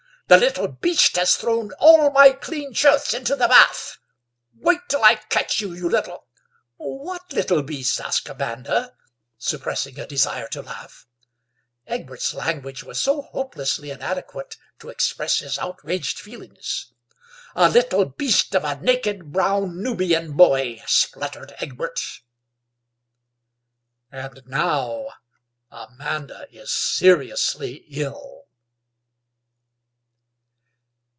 "The little beast has thrown all my clean shirts into the bath! Wait till I catch you, you little—" "What little beast?" asked Amanda, suppressing a desire to laugh; Egbert's language was so hopelessly inadequate to express his outraged feelings. "A little beast of a naked brown Nubian boy," spluttered Egbert. And now Amanda is seriously ill.